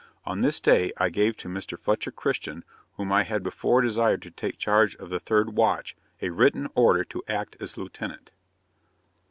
On this day I gave to Mr. Fletcher Christian, whom I had before desired to take charge of the third watch, a written order to act as lieutenant.'